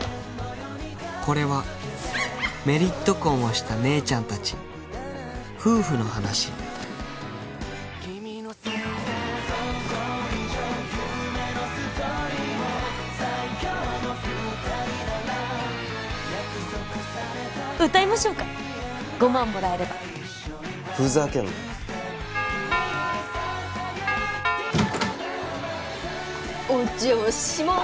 これはメリット婚をした姉ちゃん達夫婦の話歌いましょうか５万もらえればふざけんなお邪魔します